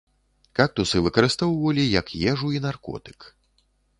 Кактусы выкарыстоўвалі як ежу і наркотык.